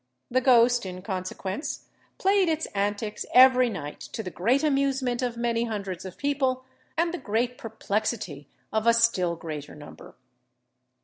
The ghost, in consequence, played its antics every night, to the great amusement of many hundreds of people and the great perplexity of a still greater number.